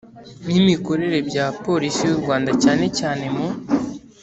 n imikorere bya polisi y u rwanda cyane cyane mu